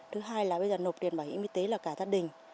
thứ hai là bây giờ nộp tiền bảo hiểm y tế là cả gia đình